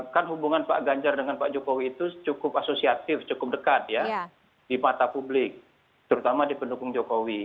kan hubungan pak ganjar dengan pak jokowi itu cukup asosiatif cukup dekat ya di mata publik terutama di pendukung jokowi